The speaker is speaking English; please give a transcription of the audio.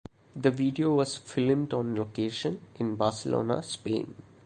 The video was filmed on location in Barcelona, Spain.